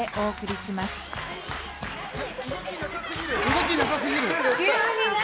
動きなさすぎる。